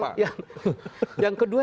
jadi kita bisa memilih